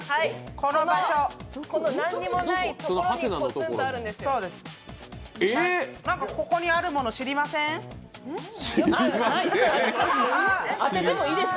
この何にもない所にポツンとあるんです。